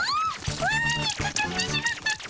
ワナにかかってしまったっピ！